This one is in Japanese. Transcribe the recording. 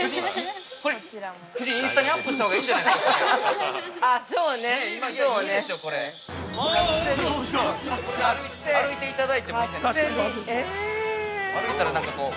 夫人、インスタにアップしたほうがいいんじゃないですか、これ。